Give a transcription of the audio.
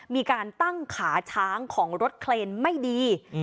มีการตั้งขาช้างของรถเคลนไม่ดี